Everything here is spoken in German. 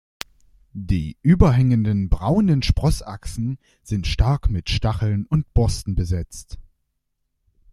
Die überhängenden, braunen Sprossachsen sind stark mit Stacheln und Borsten besetzt.